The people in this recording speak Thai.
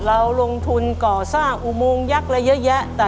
เราลงทุนก่อสร้างอุโมงยักษ์อะไรเยอะแยะ